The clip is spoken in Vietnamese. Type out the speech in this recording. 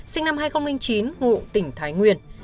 sinh năm hai nghìn chín ngụ tỉnh thái nguyên